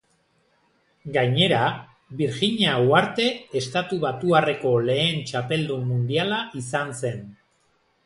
Gainera, Birjina Uharte Estatubatuarreko lehen txapeldun mundiala izan zen.